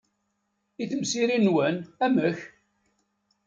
I temsirin-nwen, amek?